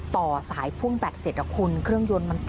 พ่อคงเอาก้อนอิดไปถ่วงไว้ตรงคันเร่งจั๊มแบบนี้